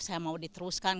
saya mau diteruskan